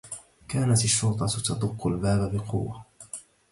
كانت الشّرطة تدقّ الباب بقوّة.